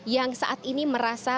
yang saat ini merasa